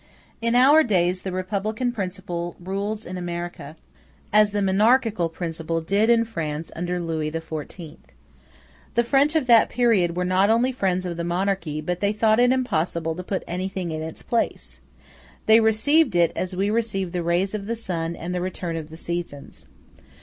In our days the republican principle rules in America, as the monarchical principle did in France under Louis XIV. The French of that period were not only friends of the monarchy, but they thought it impossible to put anything in its place; they received it as we receive the rays of the sun and the return of the seasons.